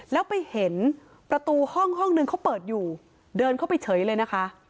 แล้วไปเห็นประตูห้องห้องนึงเขาเปิดอยู่เดินเข้าไปเฉยเลยนะคะ